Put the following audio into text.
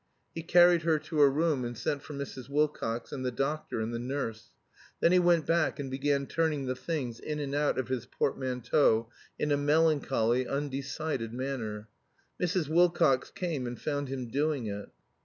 He carried her to her room and sent for Mrs. Wilcox and the doctor and the nurse. Then he went back and began turning the things in and out of his portmanteau in a melancholy, undecided manner. Mrs. Wilcox came and found him doing it.